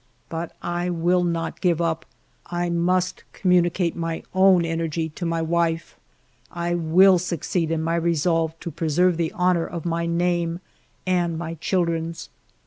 But I will not give up ; I must communicate my own energy to my wife. I will succeed in my resolve to preserve the honor of my name and my children's.